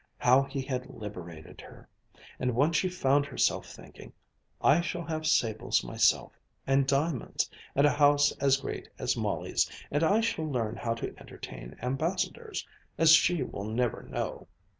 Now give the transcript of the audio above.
How he had liberated her! And once she found herself thinking, "I shall have sables myself, and diamonds, and a house as great as Molly's, and I shall learn how to entertain ambassadors, as she will never know."